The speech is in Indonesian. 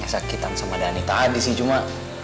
sakitan sama dhani tadi sih cuma